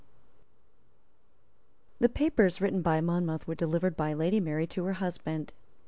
The papers written by Monmouth were delivered by Lady Mary to her husband.